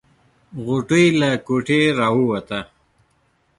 غوټۍ له کوټې راووته.